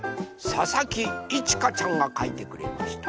ささきいちかちゃんがかいてくれました。